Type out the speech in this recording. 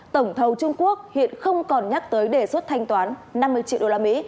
tổng thầu trung quốc hiện không còn nhắc tới đề xuất thanh toán năm mươi triệu đô la mỹ